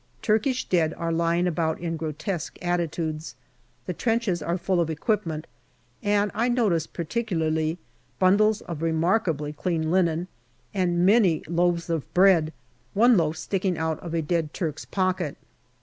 Turkish dead are lying about in grotesque attitudes ; the trenches are full of equipment, and I notice particularly bundles of remarkably clean linen, and many loaves of bread, one loaf sticking out of a dead Turk's pocket.